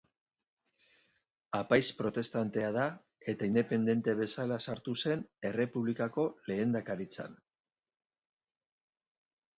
Apaiz protestantea da eta independente bezala sartu zen errepublikako lehendakaritzan.